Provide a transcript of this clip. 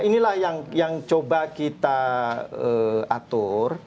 jadi ini adalah prinsip yang coba kita atur